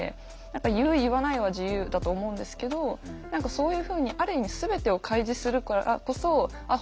言う言わないは自由だと思うんですけどそういうふうにある意味全てを開示するからこそああ